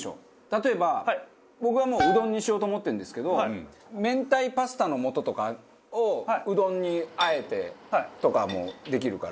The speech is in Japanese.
例えば僕はもううどんにしようと思ってるんですけど明太パスタの素とかをうどんに和えてとかもできるから。